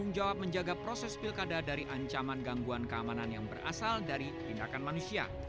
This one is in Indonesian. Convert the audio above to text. tanggung jawab menjaga proses pilkada dari ancaman gangguan keamanan yang berasal dari tindakan manusia